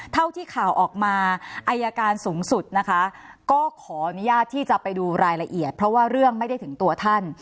เท่าที่ข่าวออกมาอายการสูงสุดนะคะก็ขออนุญาตที่จะไปดูรายละเอียดเพราะว่าเรื่องไม่ได้ถึงตัวท่าน